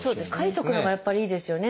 書いておくのがやっぱりいいですよね。